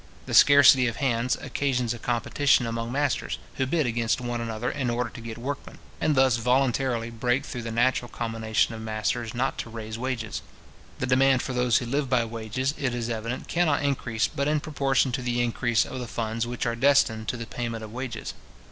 The scarcity of hands occasions a competition among masters, who bid against one another in order to get workmen, and thus voluntarily break through the natural combination of masters not to raise wages. The demand for those who live by wages, it is evident, cannot increase but in proportion to the increase of the funds which are destined to the payment of wages.